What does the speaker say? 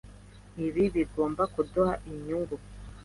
Ibi bigomba kuduha inyungu.